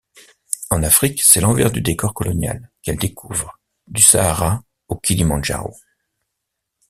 En Afrique, c'est l'envers du décor colonial qu'elle découvre, du Sahara au Kilimandjaro.